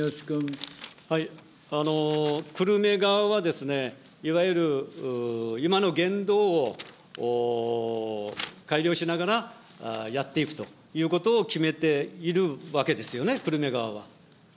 久留米側は、いわゆる、今の言動を改良しながらやっていくということを決めているわけですよね、久留米側は。